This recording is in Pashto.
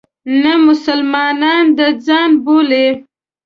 نه مسلمانان د ځان بولي.